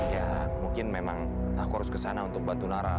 ya mungkin memang aku harus kesana untuk bantu nara